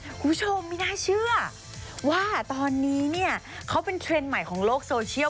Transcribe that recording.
คุณผู้ชมไม่น่าเชื่อว่าตอนนี้เนี่ยเขาเป็นเทรนด์ใหม่ของโลกโซเชียล